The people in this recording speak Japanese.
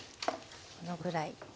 このぐらい。